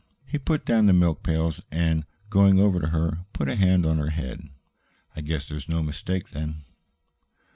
He put down the milk pails and, going over to her, put a hand on her head. "I guess there's no mistake, then?"